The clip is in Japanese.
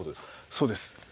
そうです。